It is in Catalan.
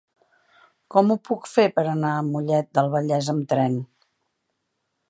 Com ho puc fer per anar a Mollet del Vallès amb tren?